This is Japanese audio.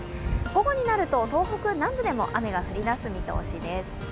午後になると東北南部でも雨が降り出す見通しです。